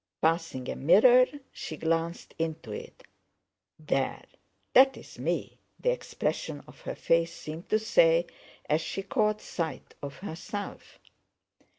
Passing a mirror she glanced into it. "There, that's me!" the expression of her face seemed to say as she caught sight of herself.